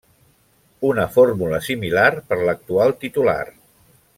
Una fórmula similar per l'actual titular.